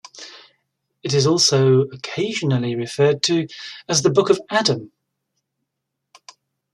It is also occasionally referred to as The Book of Adam.